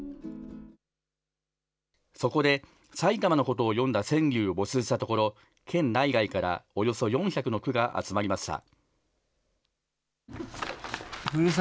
そこで、埼玉のことを詠んだ川柳を募集したところ、県内外からおよそ４００の句が集まりました。